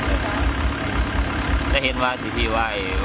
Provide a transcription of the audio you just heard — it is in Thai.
เมื่อคือบอกว่ามีและยากนั้นไปแล้วแต่ไม่แต่ไม่จบกับ